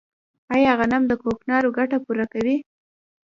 آیا غنم د کوکنارو ګټه پوره کوي؟